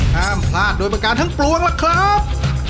ห้ามพลาดโดยประการทั้งปวงล่ะครับ